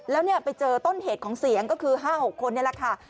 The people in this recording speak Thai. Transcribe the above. แล้วเนี่ยไปเจอต้นเหตุของเสียงก็คือ๕๖คนนี่แหละค่ะ